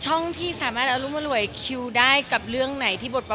ช่องที่สามารถอรุมอร่วยคิวได้กับเรื่องไหนที่บทบาท